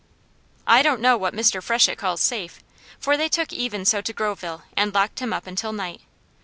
I don't know what Mr. Freshett calls safe, for they took Even So to Groveville and locked him up until night.